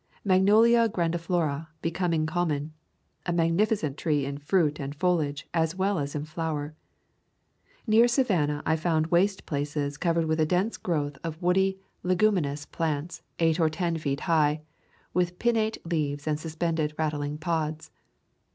Magnolia grandiflora becoming common. A magnificent tree in fruit and foli age as well as in flower. Near Savannah I found waste places covered with a dense growth of [ 64 ] River Country of Georgia woody leguminous plants, eight or ten feet high, with pinnate leaves and suspended rattling pods.